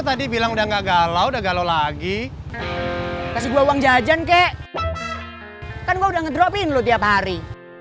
kan gue udah ngedropin lo tiap hari